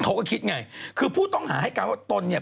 เขาก็คิดไงคือผู้ต้องหาให้การว่าตนเนี่ย